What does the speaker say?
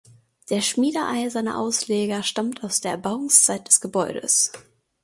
Der schmiedeeiserne Ausleger stammt aus der Erbauungszeit des Gebäudes.